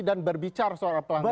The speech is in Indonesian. dan berbicara soal pelanggar konstitusi